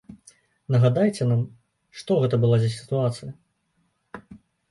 Нагадайце нам, што гэта была за сітуацыя.